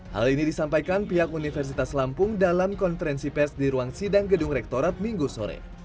hal ini disampaikan pihak universitas lampung dalam konferensi pers di ruang sidang gedung rektorat minggu sore